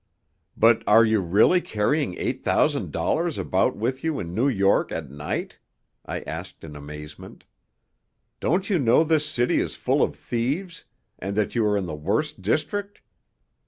"But are you really carrying eight thousand dollars about with you in New York at night?" I asked in amazement. "Don't you know this city is full of thieves, and that you are in the worst district?"